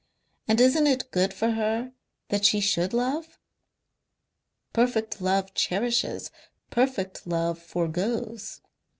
And isn't it good for her that she should love?" "Perfect love cherishes. Perfect love foregoes."